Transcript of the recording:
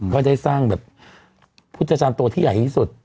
ก็ได้สร้างแบบพุทธจารย์ตัวที่ใหญ่ที่สุด